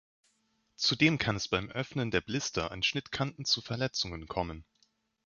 Zudem kann es beim Öffnen der Blister an Schnittkanten zu Verletzungen kommen.